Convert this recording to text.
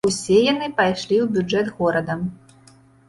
Усе яны пайшлі ў бюджэт горада.